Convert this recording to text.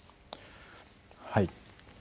はい。